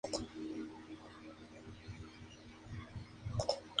La corola es blanca, a veces con una mancha púrpura.